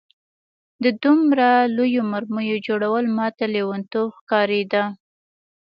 د دومره لویو مرمیو جوړول ماته لېونتوب ښکارېده